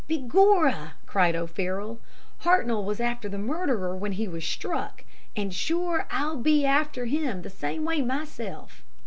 "'Begorrah!' cried O'Farroll, 'Hartnoll was after the murderer when he was struck, and shure I'll be after him the same way myself.'